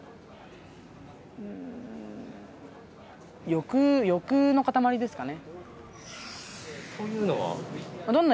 欲欲の塊ですかね。